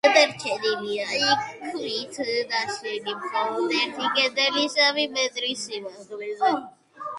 გადარჩენილია ქვით ნაშენი მხოლოდ ერთი კედელი სამი მეტრის სიმაღლეზე.